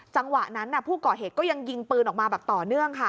จังหวะนั้นผู้ก่อเหตุก็ยังยิงปืนออกมาแบบต่อเนื่องค่ะ